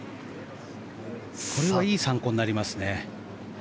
これはいい参考になりますね。